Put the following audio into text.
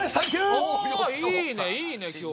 おいいねいいね今日。